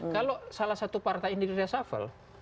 kalau salah satu partai yang di reshuffle